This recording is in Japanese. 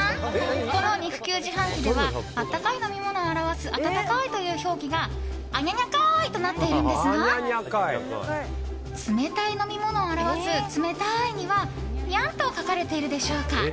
この肉球自販機では温かい飲み物を表す「あったかい」という表記が「あにゃにゃかい」となっているのですが冷たい飲み物を表す「つめたい」にはにゃんと書かれているでしょうか。